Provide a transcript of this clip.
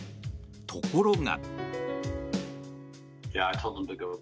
ところが。